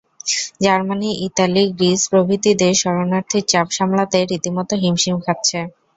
Germany, Italy, Greece প্রভৃতি দেশ শরণার্থীর চাপ সামলাতে রীতিমতো হিমশিম খাচ্ছে।